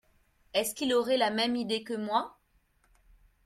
Est-ce qu’il aurait la même idée que moi ?